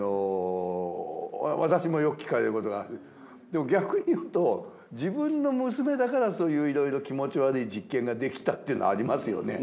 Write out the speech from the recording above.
でも逆に言うと自分の娘だからそういういろいろ気持ち悪い実験ができたっていうのはありますよね。